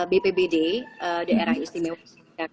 bpbd daerah istimewa singkat kota